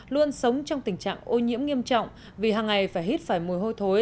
luôn sống trong tình trạng ô nhiễm nghiêm trọng vì hàng ngày phải hít phải mùi hôi thối